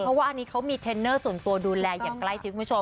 เพราะว่าอันนี้เขามีเทรนเนอร์ส่วนตัวดูแลอย่างใกล้ชิดคุณผู้ชม